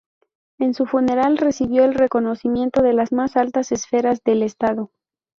En su funeral recibió el reconocimiento de las más altas esferas del estado.